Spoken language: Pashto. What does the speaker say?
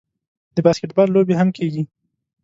د باسکیټبال لوبې هم کیږي.